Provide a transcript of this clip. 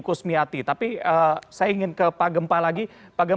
boleh diulang kembali ibu